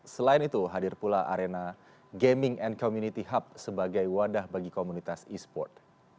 selain itu hadir pula arena gaming and community hub sebagai wadah bagi komunitas e sport